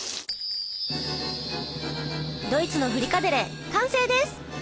ドイツのフリカデレ完成です！